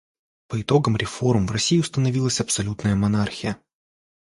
По итогам реформ в России установилась абсолютная монархия.